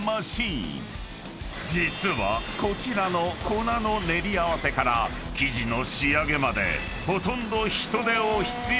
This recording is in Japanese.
［実はこちらの粉の練り合わせから生地の仕上げまでほとんど］